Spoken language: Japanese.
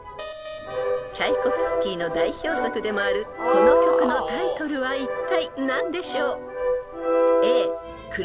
［チャイコフスキーの代表作でもあるこの曲のタイトルはいったい何でしょう？］